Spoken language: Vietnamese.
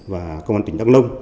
và công an tỉnh đăng nông